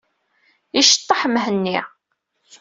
Iceṭṭeḥ Mhenni.